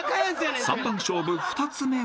［３番勝負２つ目は？］